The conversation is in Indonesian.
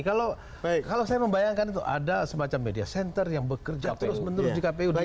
kalau saya membayangkan itu ada semacam media center yang bekerja terus menerus di kpu dki